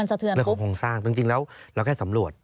สะเทือนเรื่องของโครงสร้างจริงแล้วเราแค่สำรวจ